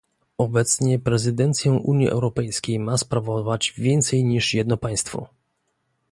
obecnie prezydencję Unii Europejskiej ma sprawować więcej niż jedno państwo